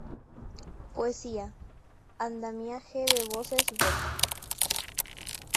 Poesía: Andamiaje de voces, Gob.